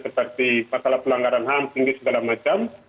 seperti masalah pelanggaran ham tinggi segala macam